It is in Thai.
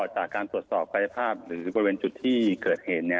จากการตรวจสอบกายภาพหรือบริเวณจุดที่เกิดเหตุ